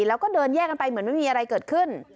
แล้วก็เดินแยกกันไปเหมือนไม่มีอะไรเกิดขึ้น